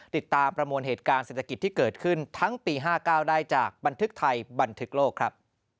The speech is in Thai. ประมวลเหตุการณ์เศรษฐกิจที่เกิดขึ้นทั้งปี๕๙ได้จากบันทึกไทยบันทึกโลกครับ